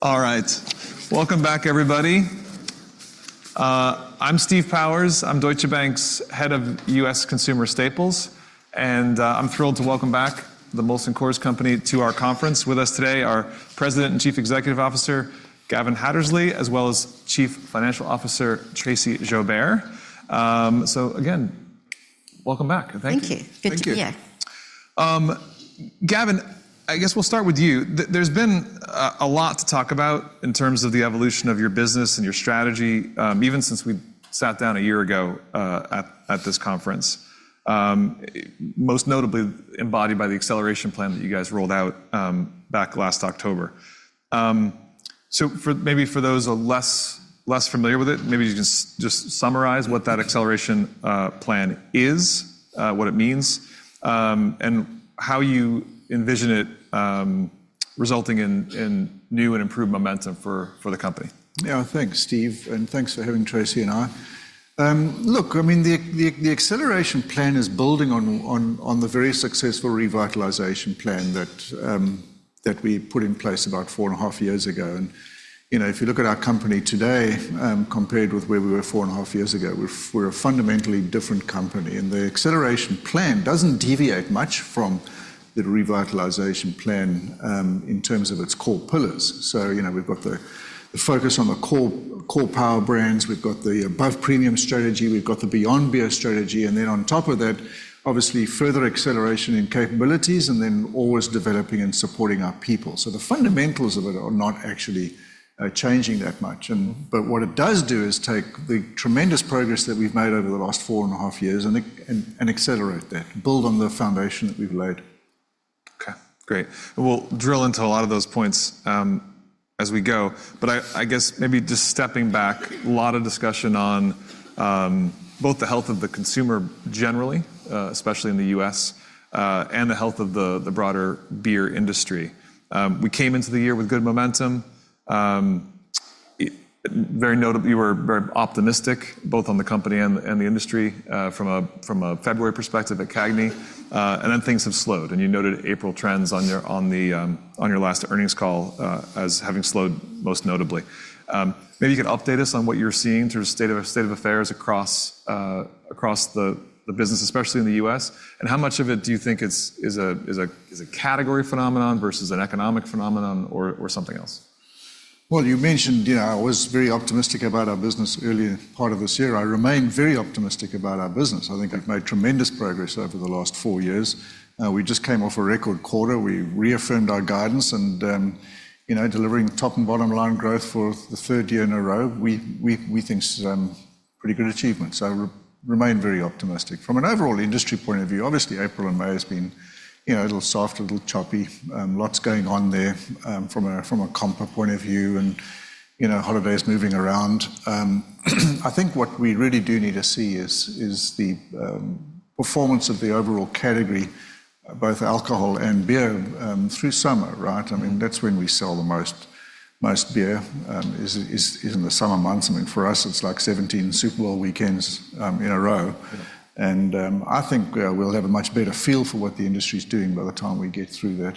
All right. Welcome back, everybody. I'm Steve Powers. I'm Deutsche Bank's Head of U.S. Consumer Staples, and, I'm thrilled to welcome back the Molson Coors company to our conference. With us today, our President and Chief Executive Officer, Gavin Hattersley, as well as Chief Financial Officer, Tracey Joubert. So again, welcome back. Thank you. Thank you. Good to be here. Thank you. Gavin, I guess we'll start with you. There's been a lot to talk about in terms of the evolution of your business and your strategy, even since we sat down a year ago at this conference. Most notably embodied by the Acceleration Plan that you guys rolled out back last October. So maybe for those less familiar with it, maybe you can just summarize what that Acceleration Plan is, what it means, and how you envision it resulting in new and improved momentum for the company. Yeah. Thanks, Steve, and thanks for having Tracey and I. Look, I mean, the Acceleration Plan is building on the very successful Revitalization Plan that we put in place about four and a half years ago. And, you know, if you look at our company today, compared with where we were four and a half years ago, we're a fundamentally different company. And the Acceleration Plan doesn't deviate much from the Revitalization Plan in terms of its core pillars. So, you know, we've got the focus on the core power brands, we've got the Above Premium strategy, we've got the Beyond Beer strategy, and then on top of that, obviously, further acceleration in capabilities, and then always developing and supporting our people. So the fundamentals of it are not actually changing that much, and accelerate that, build on the foundation that we've laid. Okay, great. We'll drill into a lot of those points, as we go, but I guess maybe just stepping back, a lot of discussion on both the health of the consumer generally, especially in the U.S., and the health of the broader beer industry. We came into the year with good momentum. Very notably, you were very optimistic, both on the company and the industry, from a February perspective at CAGNY, and then things have slowed, and you noted April trends on your last earnings call, as having slowed most notably. Maybe you could update us on what you're seeing in terms of state of affairs across the business, especially in the U.S., and how much of it do you think is a category phenomenon versus an economic phenomenon or something else? Well, you mentioned, you know, I was very optimistic about our business earlier part of this year. I remain very optimistic about our business. I think we've made tremendous progress over the last four years. We just came off a record quarter. We reaffirmed our guidance and, you know, delivering top and bottom line growth for the third year in a row, we think is pretty good achievement. So remain very optimistic. From an overall industry point of view, obviously, April and May has been, you know, a little soft, a little choppy, lots going on there, from a company point of view and, you know, holidays moving around. I think what we really do need to see is the performance of the overall category, both alcohol and beer, through summer, right? I mean, that's when we sell the most beer is in the summer months. I mean, for us, it's like 17 Super Bowl weekends in a row. Yeah. I think we'll have a much better feel for what the industry's doing by the time we get through that.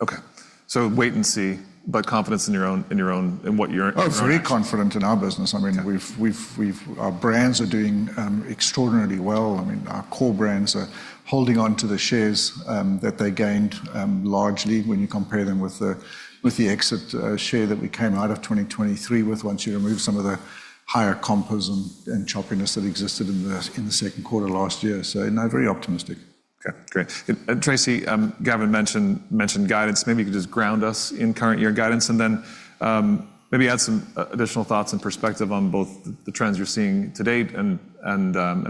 Okay. So wait and see, but confidence in your own, in your own, in what you're Oh, very confident in our business. Yeah. I mean, our brands are doing extraordinarily well. I mean, our core brands are holding on to the shares that they gained largely when you compare them with the exit share that we came out of 2023 with, once you remove some of the higher comps and choppiness that existed in the Q2 last year. So, no, very optimistic. Okay, great. And Tracey, Gavin mentioned guidance. Maybe you could just ground us in current year guidance and then, maybe add some additional thoughts and perspective on both the trends you're seeing to date and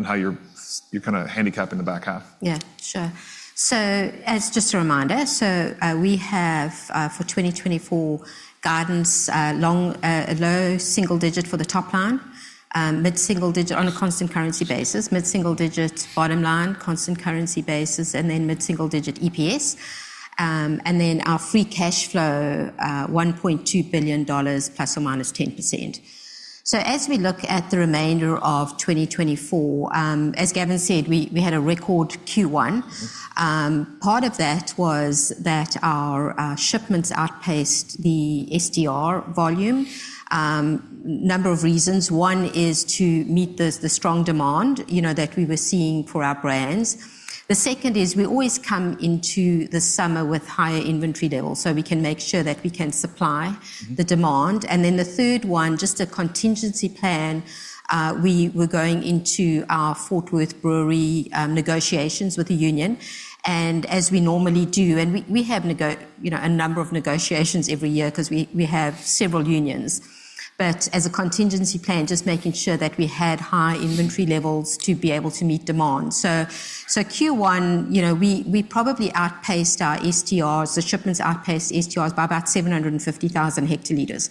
how you're kind of handicapping the back half. Yeah, sure. So as just a reminder, so, we have, for 2024, guidance, low single-digit for the top line, mid-single-digit on a constant currency basis, mid-single-digit bottom line, constant currency basis, and then mid-single-digit EPS. And then our free cash flow $1.2 billion ±10%. So as we look at the remainder of 2024, as Gavin said, we had a record Q1. Mm-hmm. Part of that was that our shipments outpaced the STR volume. Number of reasons: One is to meet the strong demand, you know, that we were seeing for our brands. The second is, we always come into the summer with higher inventory levels, so we can make sure that we can supply- Mm-hmm... the demand. And then the third one, just a contingency plan, we were going into our Fort Worth brewery, negotiations with the union. And as we normally do, and we, we have you know, a number of negotiations every year 'cause we, we have several unions. But as a contingency plan, just making sure that we had high inventory levels to be able to meet demand. So, so Q1, you know, we, we probably outpaced our STRs, the shipments outpaced STRs by about 750,000 hectolitres.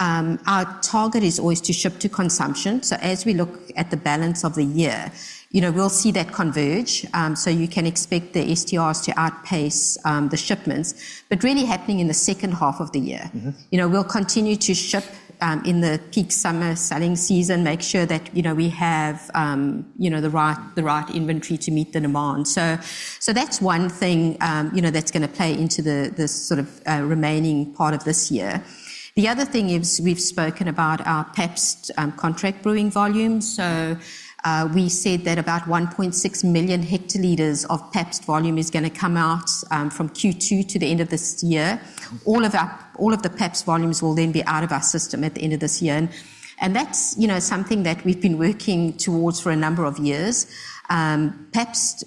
Our target is always to ship to consumption, so as we look at the balance of the year, you know, we'll see that converge. So you can expect the STRs to outpace, the shipments, but really happening in the second half of the year. Mm-hmm. You know, we'll continue to ship in the peak summer selling season, make sure that, you know, we have the right, the right inventory to meet the demand. So, so that's one thing, you know, that's gonna play into the, the sort of remaining part of this year. The other thing is we've spoken about our Pabst contract brewing volume. So, we said that about 1.6 million hectolitres of Pabst volume is gonna come out from Q2 to the end of this year. All of our, all of the Pabst volumes will then be out of our system at the end of this year, and, and that's, you know, something that we've been working towards for a number of years. Pabst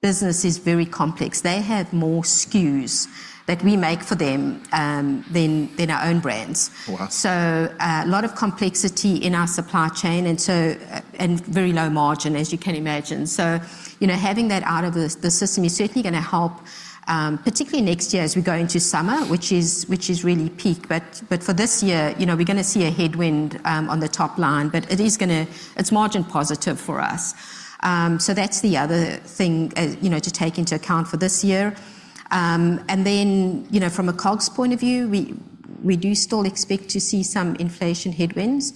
business is very complex. They have more SKUs that we make for them, than our own brands. Wow! So, a lot of complexity in our supply chain, and so, and very low margin, as you can imagine. So, you know, having that out of the, the system is certainly gonna help, particularly next year as we go into summer, which is really peak. But for this year, you know, we're gonna see a headwind on the top line, but it is gonna... It's margin positive for us. So that's the other thing, you know, to take into account for this year. And then, you know, from a COGS point of view, we do still expect to see some inflation headwinds,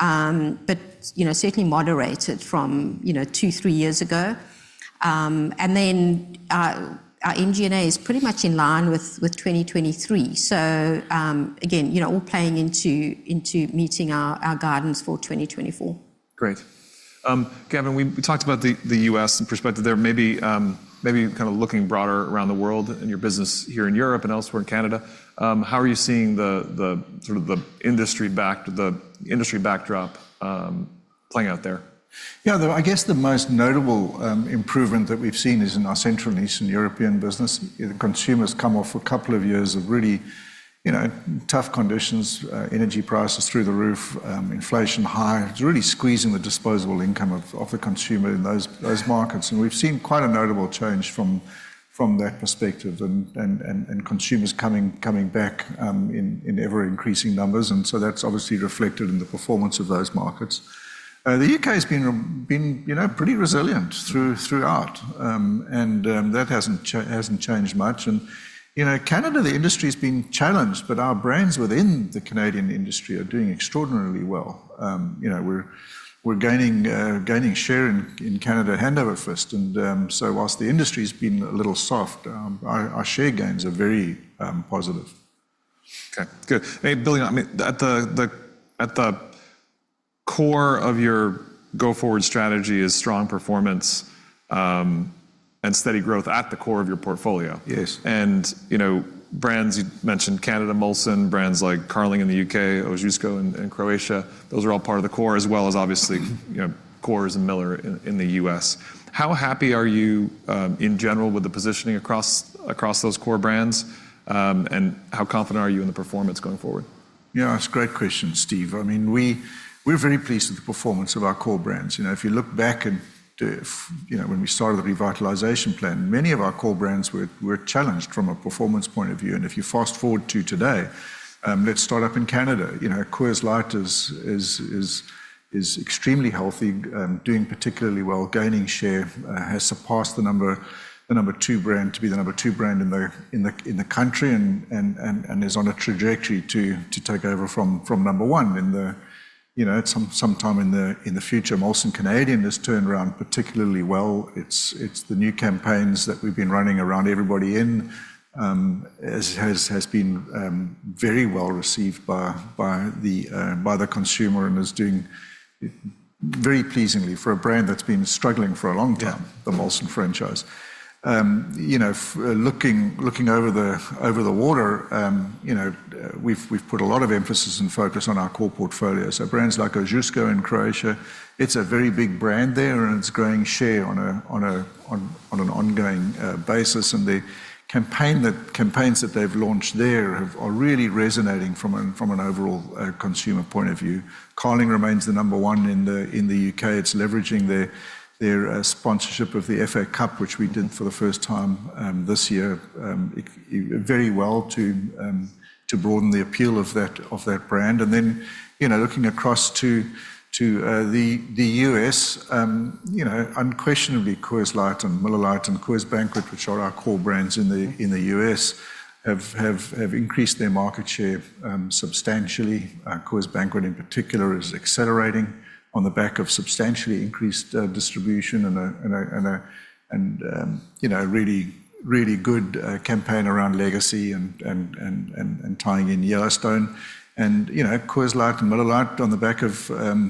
but, you know, certainly moderated from, you know, 2-3 years ago. And then, our MG&A is pretty much in line with 2023. Again, you know, all playing into meeting our guidance for 2024. Great. Gavin, we talked about the U.S. and perspective there. Maybe kind of looking broader around the world in your business here in Europe and elsewhere in Canada, how are you seeing the sort of the industry backdrop playing out there? Yeah, I guess the most notable improvement that we've seen is in our Central and Eastern European business. The consumers come off a couple of years of really, you know, tough conditions, energy prices through the roof, inflation high. It's really squeezing the disposable income of the consumer in those markets, and we've seen quite a notable change from that perspective, and consumers coming back in ever-increasing numbers, and so that's obviously reflected in the performance of those markets. The UK's been, you know, pretty resilient throughout, and that hasn't changed much. You know, Canada, the industry's been challenged, but our brands within the Canadian industry are doing extraordinarily well. You know, we're gaining share in Canada hand over fist, and so while the industry's been a little soft, our share gains are very positive. Okay, good. Maybe building on, I mean, at the core of your go-forward strategy is strong performance, and steady growth at the core of your portfolio. Yes. And, you know, brands, you mentioned Canada, Molson, brands like Carling in the U.K., Ožujsko in Croatia, those are all part of the core, as well as obviously- Mm... you know, Coors and Miller in the U.S. How happy are you in general with the positioning across those core brands? And how confident are you in the performance going forward? Yeah, that's a great question, Steve. I mean, we- we're very pleased with the performance of our core brands. You know, if you look back and, you know, when we started the revitalization plan, many of our core brands were, were challenged from a performance point of view, and if you fast-forward to today, let's start up in Canada. You know, Coors Light is, is extremely healthy, doing particularly well, gaining share, has surpassed the number two brand to be the number two brand in the, in the country, and is on a trajectory to take over from number one in the, you know, at some sometime in the future. Molson Canadian has turned around particularly well. It's the new campaigns that we've been running around everybody in has been very well received by the consumer and is doing very pleasingly for a brand that's been struggling for a long time- Yeah... the Molson franchise. You know, looking over the water, you know, we've put a lot of emphasis and focus on our core portfolio. So brands like Ožujsko in Croatia, it's a very big brand there, and it's growing share on an ongoing basis, and the campaigns that they've launched there are really resonating from an overall consumer point of view. Carling remains the number one in the U.K. It's leveraging their sponsorship of the FA Cup, which we did for the first time, this year, it very well to broaden the appeal of that brand. And then, you know, looking across to the U.S., you know, unquestionably, Coors Light and Miller Lite and Coors Banquet, which are our core brands in the U.S., have increased their market share substantially. Coors Banquet, in particular, is accelerating on the back of substantially increased distribution and a really, really good campaign around legacy and tying in Yellowstone. And, you know, Coors Light and Miller Lite on the back of... I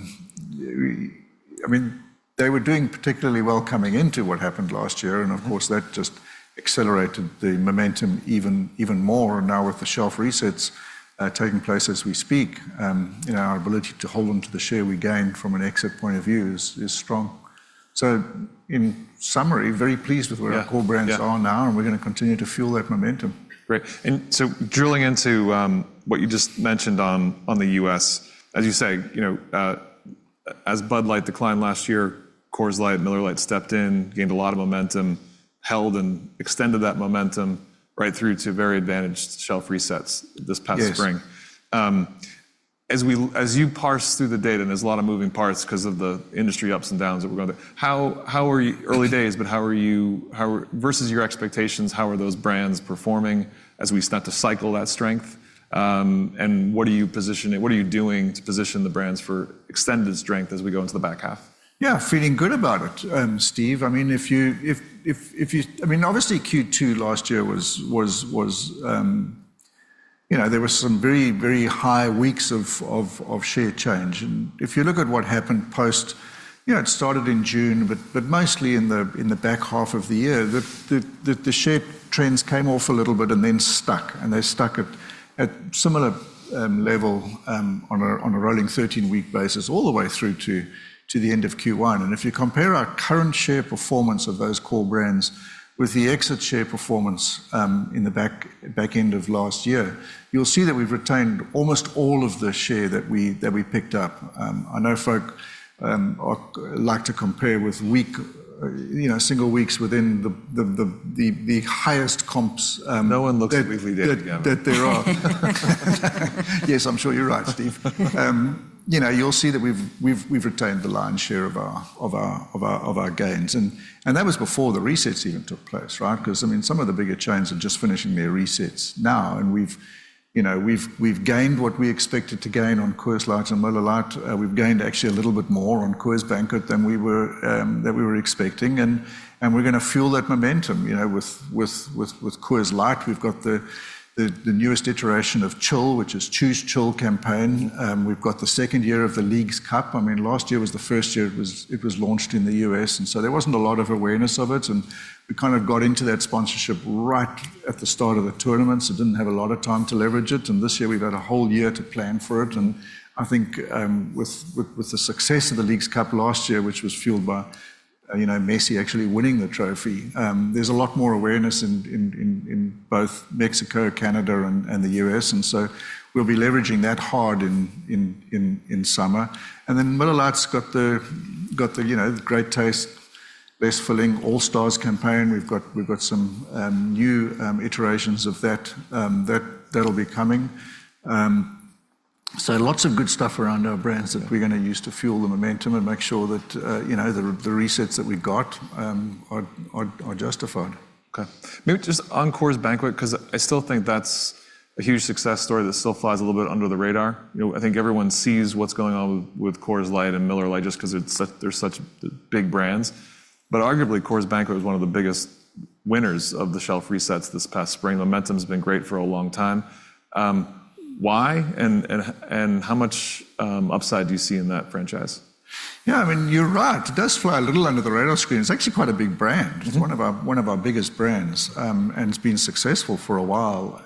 mean, they were doing particularly well coming into what happened last year, and of course, that just accelerated the momentum even more. And now with the Shelf Resets taking place as we speak, you know, our ability to hold on to the share we gained from an exit point of view is, is strong. So in summary, very pleased with where- Yeah ...our core brands are now, and we're gonna continue to fuel that momentum. Great. And so drilling into, what you just mentioned on, on the U.S., as you say, you know, as Bud Light declined last year, Coors Light and Miller Lite stepped in, gained a lot of momentum, held and extended that momentum right through to very advantaged shelf resets this past spring. Yes. As you parse through the data, and there's a lot of moving parts 'cause of the industry ups and downs that we're going through, how are you, early days, but how are you versus your expectations, how are those brands performing as we start to cycle that strength? And what are you doing to position the brands for extended strength as we go into the back half? Yeah, feeling good about it, Steve. I mean, if you... I mean, obviously, Q2 last year was... you know, there were some very high weeks of share change. And if you look at what happened post, you know, it started in June, but mostly in the back half of the year, the share trends came off a little bit and then stuck, and they stuck at similar level on a rolling 13-week basis, all the way through to the end of Q1. And if you compare our current share performance of those core brands with the exit share performance in the back end of last year, you'll see that we've retained almost all of the share that we picked up. I know folks like to compare with week, you know, single weeks within the highest comps. No one looks weekly data, Gavin. Yes, I'm sure you're right, Steve. You know, you'll see that we've retained the lion's share of our gains, and that was before the resets even took place, right? Because, I mean, some of the bigger chains are just finishing their resets now, and we've, you know, we've gained what we expected to gain on Coors Light and Miller Lite. We've gained actually a little bit more on Coors Banquet than we were expecting, and we're gonna fuel that momentum, you know, with Coors Light. We've got the newest iteration of Chill, which is Choose Chill campaign. We've got the second year of the Leagues Cup. I mean, last year was the first year it was launched in the U.S., and so there wasn't a lot of awareness of it, and we kind of got into that sponsorship right at the start of the tournament, so didn't have a lot of time to leverage it. And this year, we've had a whole year to plan for it, and I think, with the success of the Leagues Cup last year, which was fueled by, you know, Messi actually winning the trophy, there's a lot more awareness in both Mexico, Canada, and the U.S., and so we'll be leveraging that hard in summer. And then Miller Lite's got the, you know, the Great Taste, Best Feeling All Stars campaign. We've got some new iterations of that that'll be coming. So lots of good stuff around our brands- Yeah... that we're gonna use to fuel the momentum and make sure that, you know, the resets that we got are justified. Okay. Maybe just on Coors Banquet, 'cause I still think that's a huge success story that still flies a little bit under the radar. You know, I think everyone sees what's going on with Coors Light and Miller Lite just 'cause it's such, they're such big brands. But arguably, Coors Banquet was one of the biggest winners of the shelf resets this past spring. Momentum's been great for a long time. Why, and how much upside do you see in that franchise? Yeah, I mean, you're right. It does fly a little under the radar screen. It's actually quite a big brand. Mm-hmm. It's one of our, one of our biggest brands, and it's been successful for a while.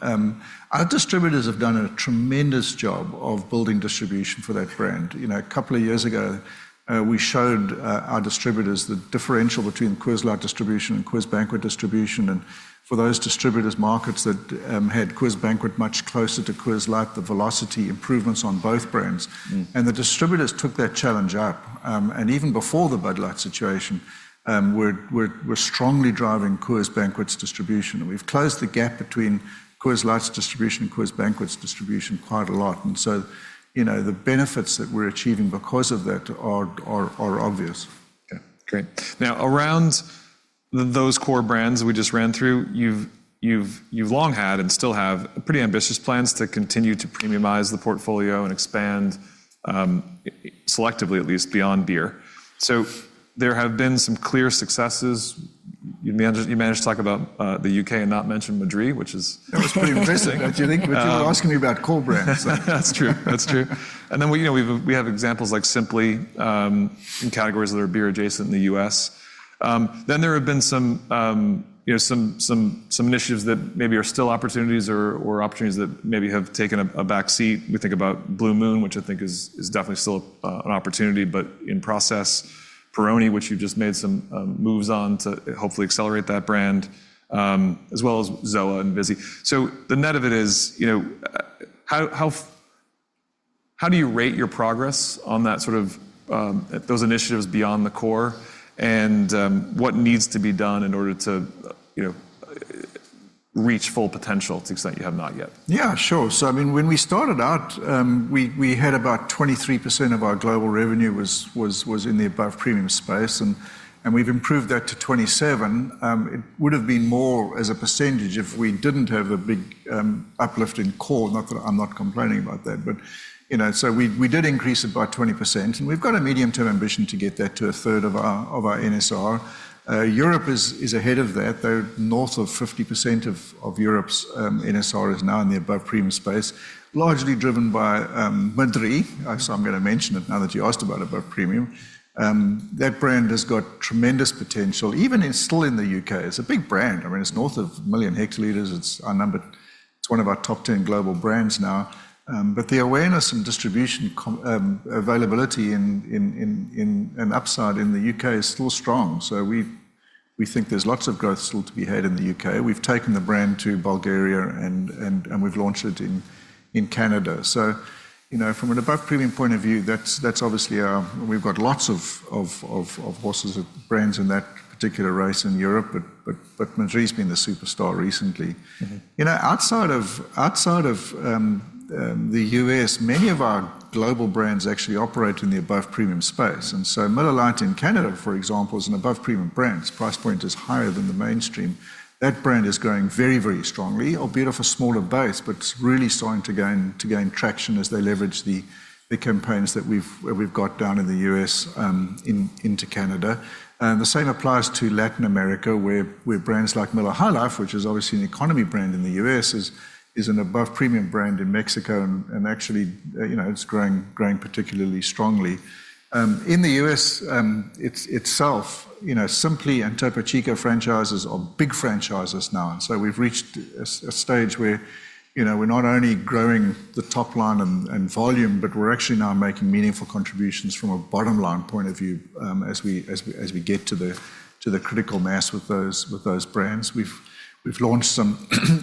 Our distributors have done a tremendous job of building distribution for that brand. You know, a couple of years ago, we showed our distributors the differential between Coors Light distribution and Coors Banquet distribution, and for those distributors' markets that had Coors Banquet much closer to Coors Light, the velocity improvements on both brands. Mm. The distributors took that challenge up. Even before the Bud Light situation, we're strongly driving Coors Banquet's distribution, and we've closed the gap between Coors Light's distribution and Coors Banquet's distribution quite a lot, and so, you know, the benefits that we're achieving because of that are obvious. Yeah, great. Now, around those core brands we just ran through, you've long had and still have pretty ambitious plans to continue to premiumize the portfolio and expand selectively, at least, beyond beer. So there have been some clear successes. You managed to talk about the UK and not mention Madrí, which is... That was pretty impressive, don't you think? But you were asking me about core brands. That's true. That's true. And then we, you know, we've, we have examples like Simply in categories that are beer-adjacent in the U.S. Then there have been some initiatives that maybe are still opportunities or opportunities that maybe have taken a backseat. We think about Blue Moon, which I think is definitely still an opportunity, but in process. Peroni, which you've just made some moves on to hopefully accelerate that brand, as well as ZOA and Vizzy. So the net of it is, you know, how do you rate your progress on that sort of those initiatives beyond the core, and what needs to be done in order to, you know, reach full potential to the extent you have not yet? Yeah, sure. So I mean, when we started out, we, we had about 23% of our global revenue was, was, was in the above premium space, and, and we've improved that to 27%. It would've been more as a percentage if we didn't have a big, uplift in core. Not that... I'm not complaining about that, but, you know, so we, we did increase it by 20%, and we've got a medium-term ambition to get that to a third of our, of our NSR. Europe is, is ahead of that, though north of 50% of, of Europe's, NSR is now in the above premium space, largely driven by, Madrí. So I'm gonna mention it now that you asked about above premium. That brand has got tremendous potential, even it's still in the UK. It's a big brand. I mean, it's north of 1 million hectoliters. It's one of our top 10 global brands now. But the awareness and distribution, availability and upside in the U.K. is still strong, so we think there's lots of growth still to be had in the U.K. We've taken the brand to Bulgaria, and we've launched it in Canada. So, you know, from an above premium point of view, that's obviously we've got lots of horses, brands in that particular race in Europe, but Madrí's been the superstar recently. Mm-hmm. You know, outside of the U.S., many of our global brands actually operate in the above premium space. And so Miller Lite in Canada, for example, is an above premium brand. Its price point is higher than the mainstream. That brand is growing very, very strongly, albeit off a smaller base, but it's really starting to gain traction as they leverage the campaigns that we've got down in the U.S., into Canada. And the same applies to Latin America, where brands like Miller High Life, which is obviously an economy brand in the U.S., is an above premium brand in Mexico, and actually, you know, it's growing particularly strongly. In the U.S., it's itself, you know, Simply and Topo Chico franchises are big franchises now, and so we've reached a stage where, you know, we're not only growing the top line and volume, but we're actually now making meaningful contributions from a bottom-line point of view, as we get to the critical mass with those brands. We've launched some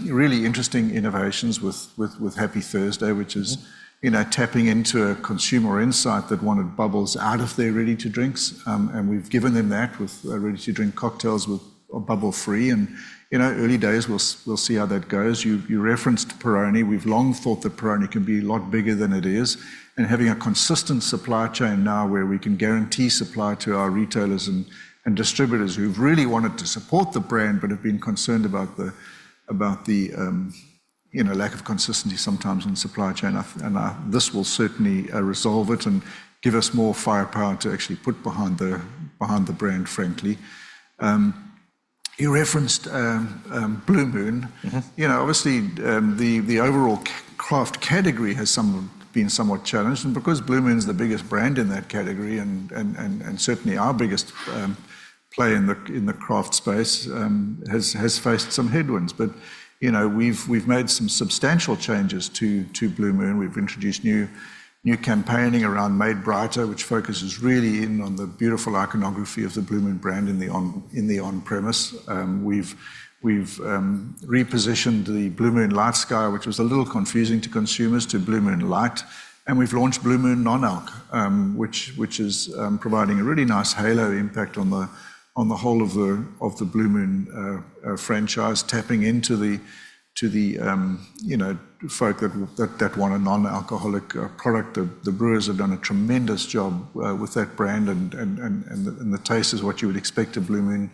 really interesting innovations with Happy Thursday, which is- Mm... you know, tapping into a consumer insight that wanted bubbles out of their ready-to-drinks. And we've given them that with ready-to-drink cocktails with bubble-free. And, you know, early days, we'll see how that goes. You referenced Peroni. We've long thought that Peroni can be a lot bigger than it is, and having a consistent supply chain now where we can guarantee supply to our retailers and distributors who've really wanted to support the brand but have been concerned about the you know, lack of consistency sometimes in supply chain. And this will certainly resolve it and give us more firepower to actually put behind the brand, frankly. You referenced Blue Moon. Mm-hmm. You know, obviously, the overall craft category has been somewhat challenged, and because Blue Moon's the biggest brand in that category, and certainly our biggest player in the craft space, has faced some headwinds. But, you know, we've made some substantial changes to Blue Moon. We've introduced new campaigning around Made Brighter, which focuses really in on the beautiful iconography of the Blue Moon brand in the on-premise. We've repositioned the Blue Moon LightSky, which was a little confusing to consumers, to Blue Moon Light, and we've launched Blue Moon Non-Alc, which is providing a really nice halo impact on the whole of the Blue Moon franchise, tapping into the you know folks that want a non-alcoholic product. The brewers have done a tremendous job with that brand, and the taste is what you would expect a Blue Moon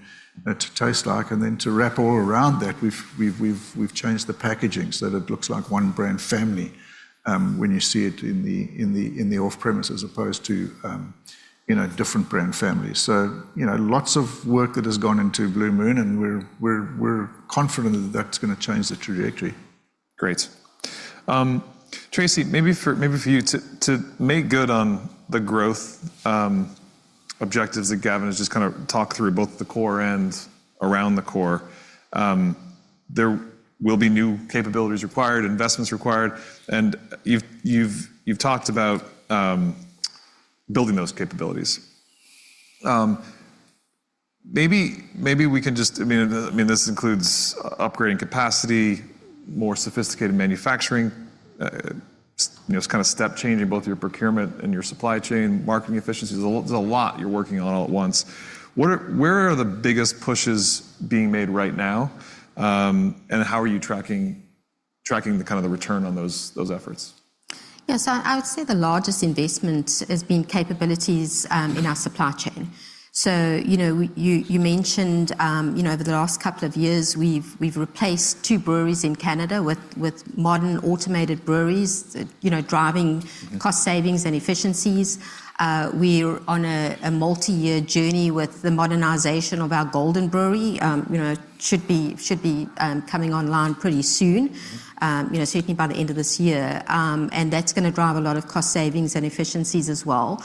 to taste like. And then to wrap all around that, we've changed the packaging so that it looks like one brand family when you see it in the off-premise, as opposed to you know different brand families. So, you know, lots of work that has gone into Blue Moon, and we're confident that that's gonna change the trajectory. Great. Tracey, maybe for you to make good on the growth objectives that Gavin has just kind of talked through, both the core and around the core, there will be new capabilities required, investments required, and you've talked about building those capabilities. Maybe we can just... I mean, this includes upgrading capacity, more sophisticated manufacturing, you know, just kind of step change in both your procurement and your supply chain, marketing efficiencies. There's a lot you're working on all at once. Where are the biggest pushes being made right now, and how are you tracking the kind of the return on those efforts? Yeah, so I would say the largest investment has been capabilities in our supply chain. So, you know, we, you mentioned, you know, over the last couple of years, we've replaced two breweries in Canada with modern automated breweries, you know, driving- Mm... cost savings and efficiencies. We're on a multi-year journey with the modernization of our Golden Brewery. You know, should be coming online pretty soon, you know, certainly by the end of this year. And that's gonna drive a lot of cost savings and efficiencies as well.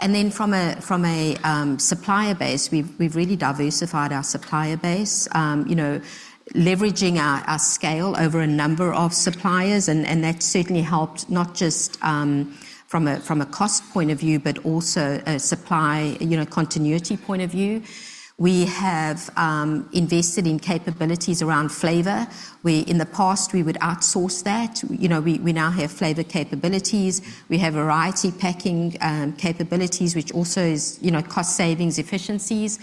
And then from a supplier base, we've really diversified our supplier base, you know, leveraging our scale over a number of suppliers, and that's certainly helped, not just from a cost point of view, but also a supply, you know, continuity point of view. We have invested in capabilities around flavor. In the past, we would outsource that. You know, we now have flavor capabilities. We have variety packing capabilities, which also is, you know, cost savings, efficiencies.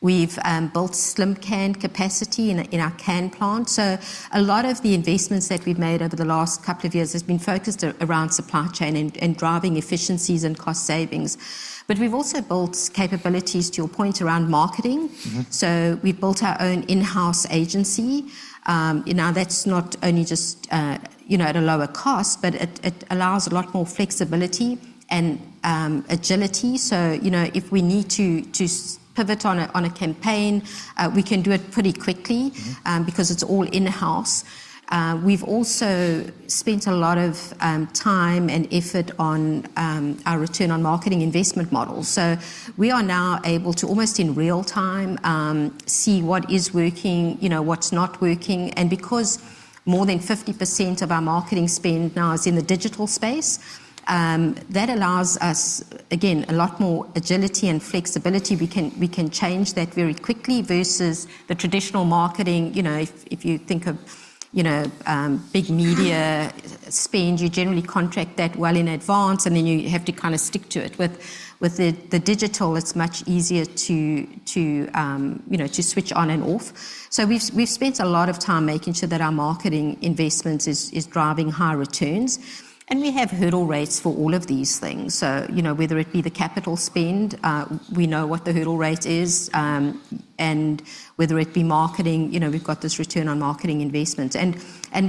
We've built slim can capacity in our can plant. So a lot of the investments that we've made over the last couple of years has been focused around supply chain and driving efficiencies and cost savings. But we've also built capabilities, to your point, around marketing. Mm-hmm. We've built our own in-house agency. Now, that's not only just, you know, at a lower cost, but it, it allows a lot more flexibility and agility. So, you know, if we need to pivot on a campaign, we can do it pretty quickly- Mm... because it's all in-house. We've also spent a lot of time and effort on our return on marketing investment model. So we are now able to, almost in real time, see what is working, you know, what's not working. And because more than 50% of our marketing spend now is in the digital space, that allows us, again, a lot more agility and flexibility. We can, we can change that very quickly versus the traditional marketing, you know, if, if you think of... you know, big media spend, you generally contract that well in advance, and then you have to kind of stick to it. With, with the, the digital, it's much easier to, to, you know, to switch on and off. So we've spent a lot of time making sure that our marketing investment is driving high returns, and we have hurdle rates for all of these things. So, you know, whether it be the capital spend, we know what the hurdle rate is, and whether it be marketing, you know, we've got this return on marketing investment. And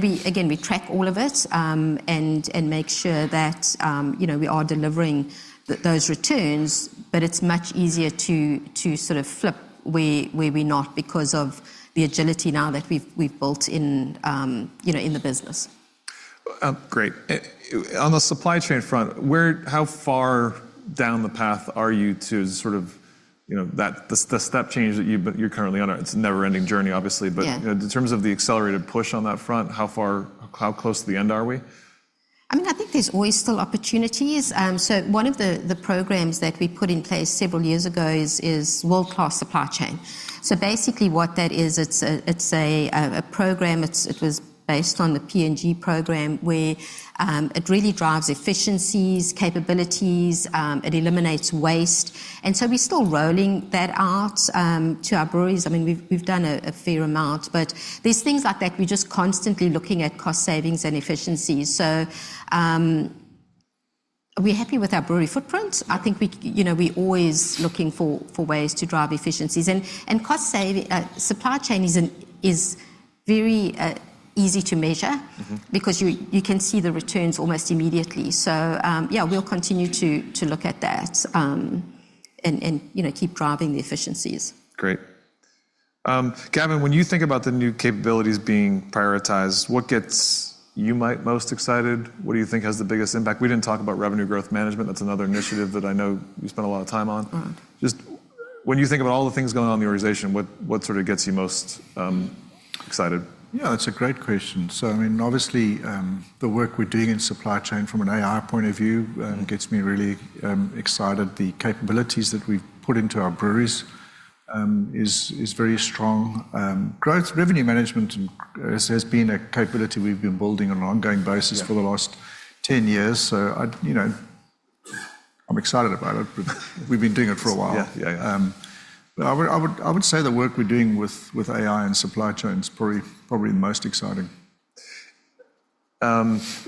we, again, we track all of it, and make sure that, you know, we are delivering those returns, but it's much easier to sort of flip where we're not because of the agility now that we've built in, you know, in the business. Great. On the supply chain front, how far down the path are you to sort of, you know, that, the step change that you, but you're currently on a, it's a never-ending journey, obviously. Yeah. But, you know, in terms of the accelerated push on that front, how far... how close to the end are we? I mean, I think there's always still opportunities. So one of the programs that we put in place several years ago is World Class Supply Chain. So basically, what that is, it's a program, it was based on the P&G program, where it really drives efficiencies, capabilities, it eliminates waste, and so we're still rolling that out to our breweries. I mean, we've done a fair amount, but there's things like that, we're just constantly looking at cost savings and efficiencies. So we're happy with our brewery footprint. I think we, you know, we're always looking for ways to drive efficiencies and cost saving, supply chain is very easy to measure. Mm-hmm. - because you can see the returns almost immediately. So, yeah, we'll continue to look at that, and you know, keep driving the efficiencies. Great. Gavin, when you think about the new capabilities being prioritized, what gets you most excited? What do you think has the biggest impact? We didn't talk about Revenue Growth Management. That's another initiative that I know you spent a lot of time on. Mm. Just when you think about all the things going on in the organization, what sort of gets you most excited? Yeah, that's a great question. So, I mean, obviously, the work we're doing in supply chain from an AI point of view gets me really excited. The capabilities that we've put into our breweries is very strong. Growth, revenue management has been a capability we've been building on an ongoing basis- Yeah... for the last 10 years, so I, you know, I'm excited about it, but we've been doing it for a while. Yeah. Yeah, but I would say the work we're doing with AI and supply chain is probably the most exciting.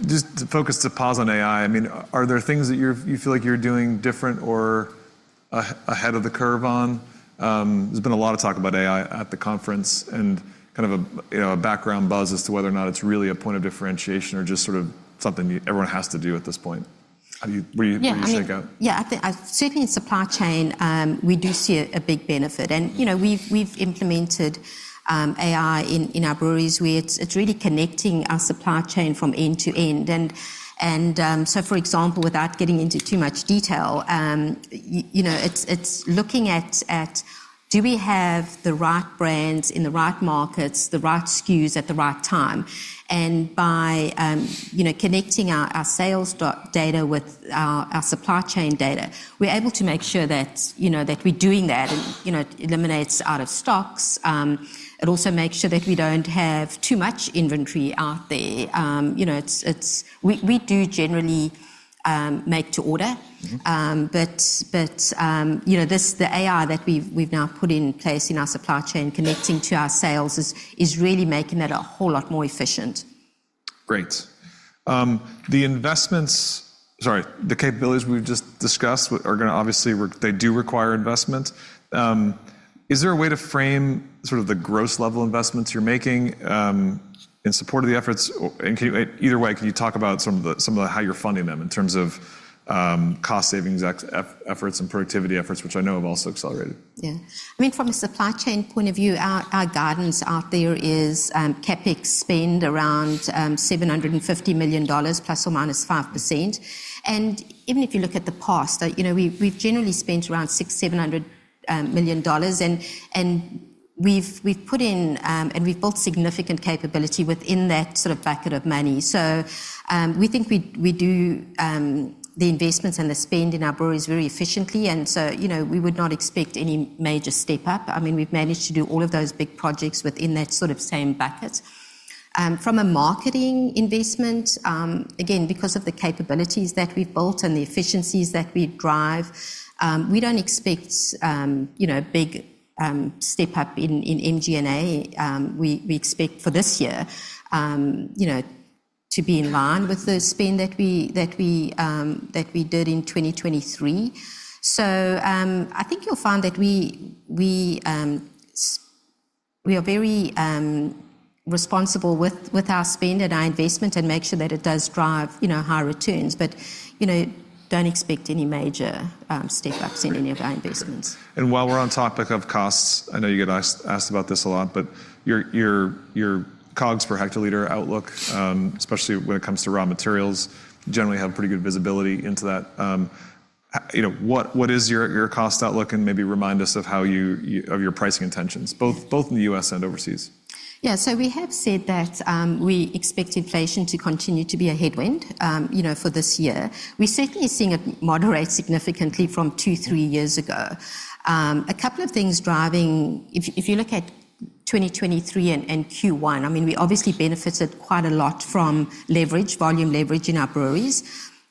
Just to focus, to pause on AI, I mean, are there things that you're, you feel like you're doing different or ahead of the curve on? There's been a lot of talk about AI at the conference and kind of a, you know, a background buzz as to whether or not it's really a point of differentiation or just sort of something you, everyone has to do at this point. Have you... What do you, what do you think out? Yeah, I mean, yeah, I think certainly in supply chain we do see a big benefit. And you know, we've implemented AI in our breweries, where it's really connecting our supply chain from end to end. And so for example, without getting into too much detail, you know, it's looking at do we have the right brands in the right markets, the right SKUs at the right time? And by you know, connecting our sales data with our supply chain data, we're able to make sure that you know that we're doing that, and you know it eliminates out of stocks. It also makes sure that we don't have too much inventory out there. You know, it's. We do generally make to order. Mm. You know, this, the AI that we've now put in place in our supply chain, connecting to our sales, is really making that a whole lot more efficient. Great. Sorry, the capabilities we've just discussed are gonna obviously require investment. Is there a way to frame sort of the gross level investments you're making in support of the efforts? Or, and can you, either way, can you talk about some of the, some of the, how you're funding them in terms of cost savings, efficiency efforts and productivity efforts, which I know have also accelerated? Yeah. I mean, from a supply chain point of view, our guidance out there is CapEx spend around $750 million ±5%. Even if you look at the past, you know, we've generally spent around $600 million-$700 million, and we've put in and we've built significant capability within that sort of bucket of money. So, we think we do the investments and the spend in our breweries very efficiently, and so, you know, we would not expect any major step up. I mean, we've managed to do all of those big projects within that sort of same bucket. From a marketing investment, again, because of the capabilities that we've built and the efficiencies that we drive, we don't expect, you know, a big step up in MG&A. We expect for this year, you know, to be in line with the spend that we did in 2023. So, I think you'll find that we are very responsible with our spend and our investment and make sure that it does drive, you know, high returns. But, you know, don't expect any major step-ups in any of our investments. While we're on topic of costs, I know you get asked about this a lot, but your COGS per hectoliter outlook, especially when it comes to raw materials, generally have pretty good visibility into that. You know, what is your cost outlook, and maybe remind us of how you of your pricing intentions, both in the U.S. and overseas? Yeah, so we have said that we expect inflation to continue to be a headwind, you know, for this year. We're certainly seeing it moderate significantly from 2-3 years ago. A couple of things driving, if you look at 2023 and Q1. I mean, we obviously benefited quite a lot from leverage, volume leverage in our breweries.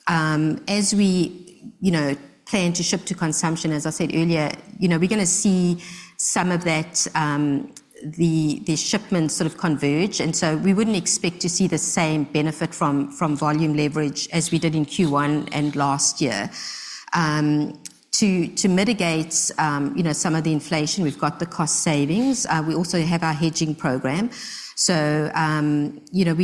As we, you know, plan to ship to consumption, as I said earlier, you know, we're gonna see some of that, the shipments sort of converge, and so we wouldn't expect to see the same benefit from volume leverage as we did in Q1 and last year. To mitigate, you know, some of the inflation, we've got the cost savings. We also have our hedging program. So, you know,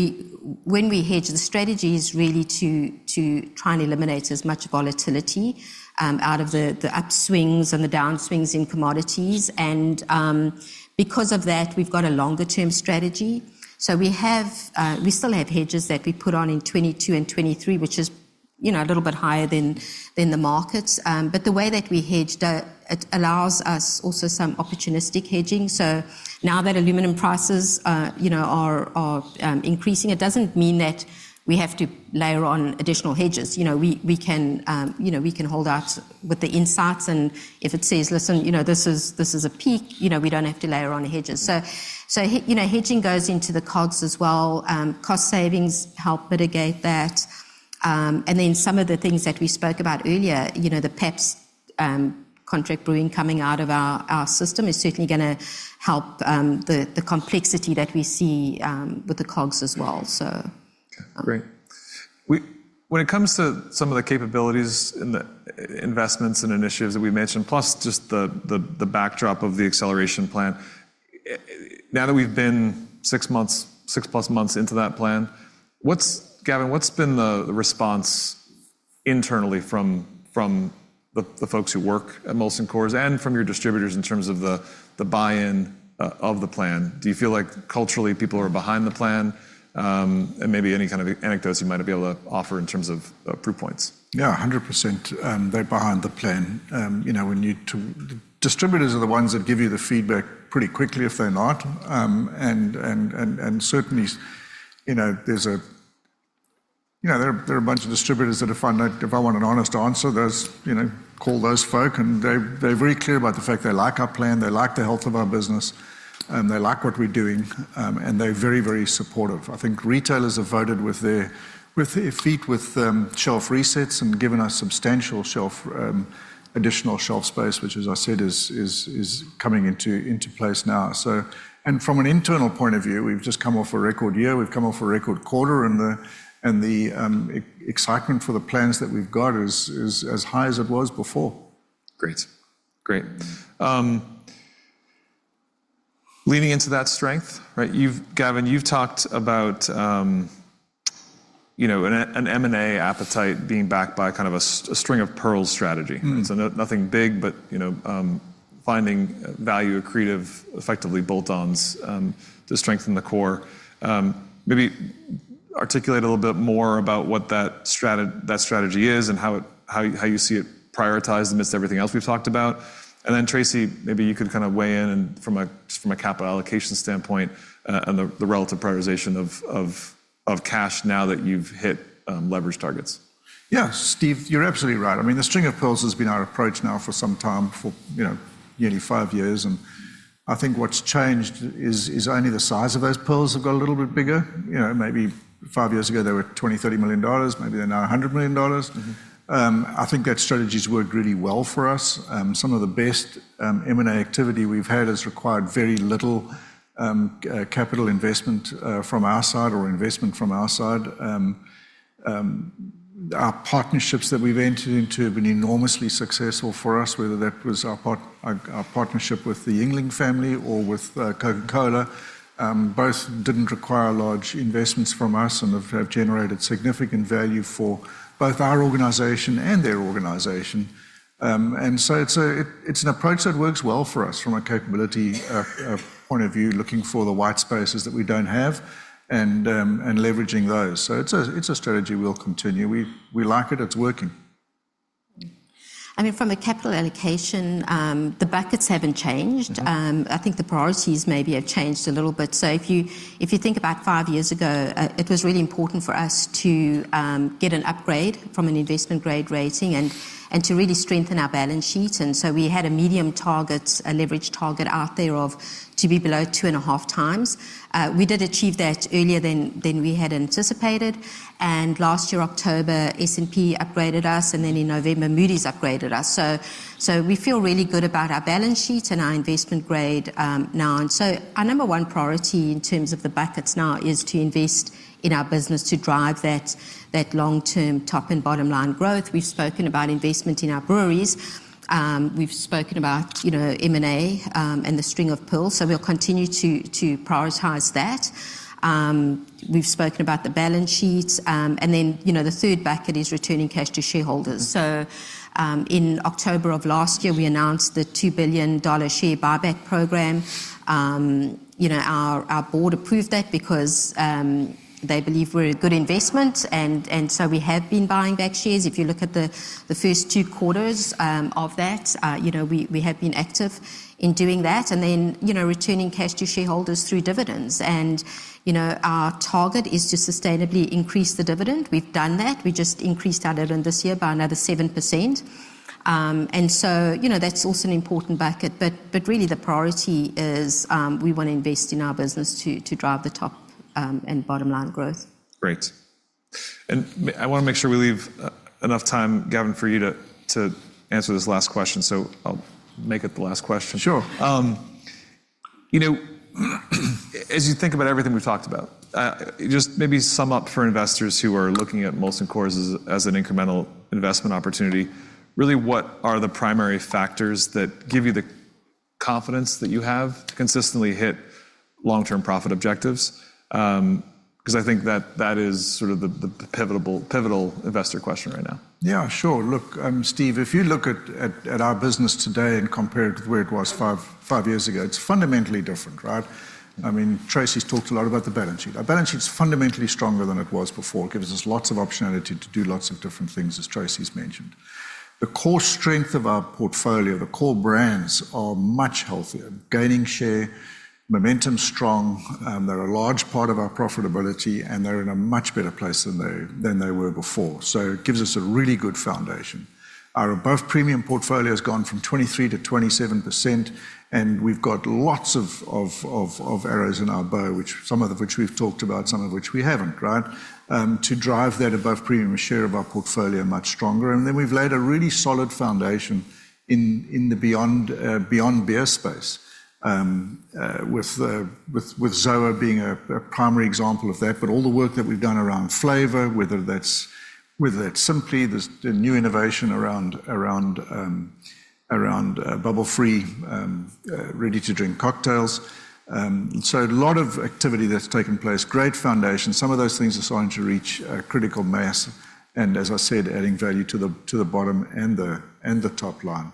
when we hedge, the strategy is really to try and eliminate as much volatility out of the upswings and the downswings in commodities, and because of that, we've got a longer-term strategy. So we have, we still have hedges that we put on in 2022 and 2023, which is, you know, a little bit higher than the markets. But the way that we hedge, it allows us also some opportunistic hedging. So now that aluminum prices are, you know, are increasing, it doesn't mean that we have to layer on additional hedges. You know, we can hold out with the insights, and if it says, "Listen, you know, this is a peak," you know, we don't have to layer on hedges. So, you know, hedging goes into the COGS as well. Cost savings help mitigate that. And then some of the things that we spoke about earlier, you know, the Pabst, contract brewing coming out of our system is certainly gonna help, the complexity that we see with the COGS as well, so. Okay, great. When it comes to some of the capabilities and the investments and initiatives that we've mentioned, plus just the backdrop of the Acceleration Plan, now that we've been 6 months, 6+ months into that plan, what's Gavin, what's been the response internally from the folks who work at Molson Coors and from your distributors in terms of the buy-in of the plan? Do you feel like culturally people are behind the plan? And maybe any kind of anecdotes you might be able to offer in terms of proof points. Yeah, 100%, they're behind the plan. You know, distributors are the ones that give you the feedback pretty quickly if they're not. And certainly, you know, there are a bunch of distributors that if I want an honest answer, I call those folks, and they, they're very clear about the fact they like our plan, they like the health of our business, and they like what we're doing, and they're very, very supportive. I think retailers have voted with their feet, with shelf resets and given us substantial additional shelf space, which, as I said, is coming into place now. And from an internal point of view, we've just come off a record year, we've come off a record quarter, and the excitement for the plans that we've got is as high as it was before. Great. Great. Leading into that strength, right, you've, Gavin, you've talked about, you know, an M&A appetite being backed by kind of a String of Pearls strategy. Mm. So nothing big, but, you know, finding value accretive, effectively bolt-ons, to strengthen the core. Maybe articulate a little bit more about what that strategy is and how it, how you, how you see it prioritized amidst everything else we've talked about. And then, Tracey, maybe you could kind of weigh in and just from a capital allocation standpoint, and the relative prioritization of cash now that you've hit leverage targets. Yeah, Steve, you're absolutely right. I mean, the string of pearls has been our approach now for some time, for, you know, nearly 5 years, and I think what's changed is, is only the size of those pearls have got a little bit bigger. You know, maybe 5 years ago, they were $20 million-$30 million, maybe they're now $100 million. Mm-hmm. I think that strategy's worked really well for us. Some of the best M&A activity we've had has required very little capital investment from our side or investment from our side. Our partnerships that we've entered into have been enormously successful for us, whether that was our partnership with the Yuengling family or with Coca-Cola. Both didn't require large investments from us and have generated significant value for both our organization and their organization. And so it's an approach that works well for us from a capability point of view, looking for the white spaces that we don't have, and leveraging those. So it's a strategy we'll continue. We like it. It's working. I mean, from a capital allocation, the buckets haven't changed. Mm-hmm. I think the priorities maybe have changed a little bit. So if you think about five years ago, it was really important for us to get an upgrade from an investment-grade rating and to really strengthen our balance sheet, and so we had a medium target, a leverage target out there of to be below 2.5 times. We did achieve that earlier than we had anticipated, and last year, October, S&P upgraded us, and then in November, Moody's upgraded us. So we feel really good about our balance sheet and our investment grade now. And so our number one priority in terms of the buckets now is to invest in our business to drive that long-term top and bottom line growth. We've spoken about investment in our breweries. We've spoken about, you know, M&A, and the String of Pearls, so we'll continue to prioritize that. We've spoken about the balance sheets. And then, you know, the third bucket is returning cash to shareholders. Mm. So, in October of last year, we announced the $2 billion share buyback program. You know, our board approved that because they believe we're a good investment, and so we have been buying back shares. If you look at the first Q2 of that, you know, we have been active in doing that, and then, you know, returning cash to shareholders through dividends. And, you know, our target is to sustainably increase the dividend. We've done that. We just increased our dividend this year by another 7%. And so, you know, that's also an important bucket. But really the priority is, we want to invest in our business to drive the top and bottom line growth. Great. And I wanna make sure we leave enough time, Gavin, for you to, to answer this last question, so I'll make it the last question. Sure. You know, as you think about everything we've talked about, just maybe sum up for investors who are looking at Molson Coors as an incremental investment opportunity, really, what are the primary factors that give you the confidence that you have to consistently hit long-term profit objectives? 'Cause I think that that is sort of the pivotal investor question right now. Yeah, sure. Look, Steve, if you look at our business today and compare it to where it was five years ago, it's fundamentally different, right? I mean, Tracey's talked a lot about the balance sheet. Our balance sheet's fundamentally stronger than it was before. It gives us lots of optionality to do lots of different things, as Tracey's mentioned. The core strength of our portfolio, the core brands, are much healthier, gaining share, momentum's strong, they're a large part of our profitability, and they're in a much better place than they were before. So it gives us a really good foundation. Our above premium portfolio has gone from 23%-27%, and we've got lots of arrows in our bow, which some of which we've talked about, some of which we haven't, right? To drive that above-premium share of our portfolio much stronger, and then we've laid a really solid foundation in the Beyond Beer space. With ZOA being a primary example of that, but all the work that we've done around flavor, whether that's Simply, the new innovation around bubble-free ready-to-drink cocktails. So a lot of activity that's taken place, great foundation. Some of those things are starting to reach critical mass, and as I said, adding value to the bottom and the top line.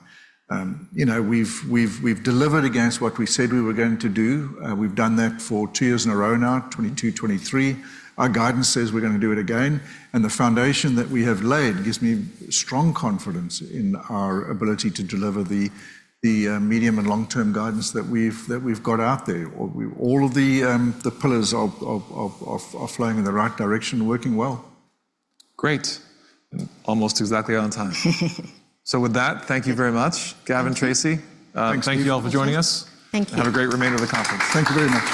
You know, we've delivered against what we said we were going to do. We've done that for two years in a row now, 2022, 2023. Our guidance says we're gonna do it again, and the foundation that we have laid gives me strong confidence in our ability to deliver the medium and long-term guidance that we've got out there. All of the pillars are flowing in the right direction and working well. Great, and almost exactly on time. With that, thank you very much, Gavin, Tracey. Thank you. Thank you all for joining us. Thank you. Have a great remainder of the conference. Thank you very much.